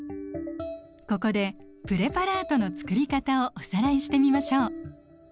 ここでプレパラートの作り方をおさらいしてみましょう。